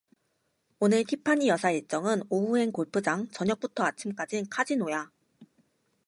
오늘 티파니여사 일정은 오후엔 골프장, 저녁부터 아침까진 카지노야